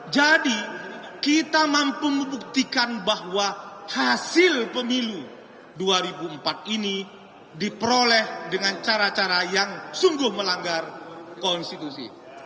jadi kita mampu membuktikan bahwa hasil pemilu dua ribu empat ini diperoleh dengan cara cara yang sungguh melanggar konstitusi